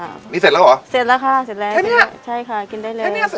แล้วนี่เสร็จแล้วอ่ะเสร็จแล้วข้าเอาไหว